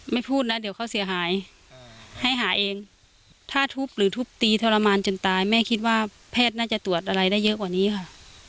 พูดนะเดี๋ยวเขาเสียหายให้หาเองถ้าทุบหรือทุบตีทรมานจนตายแม่คิดว่าแพทย์น่าจะตรวจอะไรได้เยอะกว่านี้ค่ะ